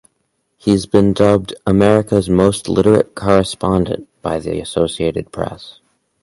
He has been dubbed "America's most literate correspondent" by the Associated Press.